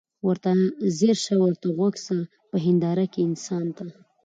ورته ځیر سه ورته غوږ سه په هینداره کي انسان ته